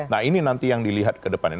nah ini nanti yang dilihat ke depannya